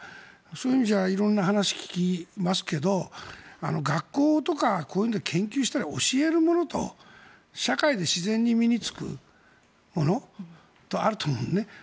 そういう意味じゃ色んな話を聞きますけど学校とかこういうので研究したり教えるものと社会で自然に身に着くものとあると思うのね。